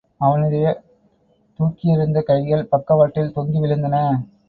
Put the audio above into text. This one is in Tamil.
அவனுடைய தூக்கியிருந்த கைகள் பக்கவாட்டில் தொங்கி விழுந்தன.